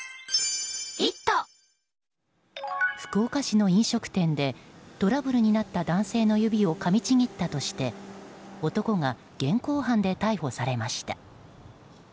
福岡市の飲食店でトラブルになった男性の指をかみちぎったとして男が現行犯で逮捕されました。